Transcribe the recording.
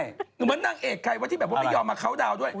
อย่ามานั่งเอกใครว่าที่แบบไม่ยอมมาเคาน์ดาวน์ด้วย